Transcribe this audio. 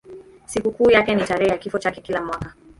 Sikukuu yake ni tarehe ya kifo chake kila mwaka.